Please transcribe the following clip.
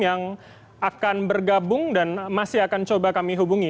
yang akan bergabung dan masih akan coba kami hubungi